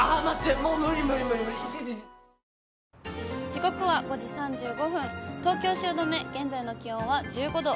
時刻は５時３５分、東京・汐留、現在の気温は１５度。